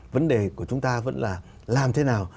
vấn đề của chúng ta vẫn là làm thế nào